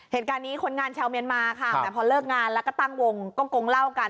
เหตุการณ์นี้คนงานชาวเมียนมาค่ะแต่พอเลิกงานแล้วก็ตั้งวงก็กงเล่ากัน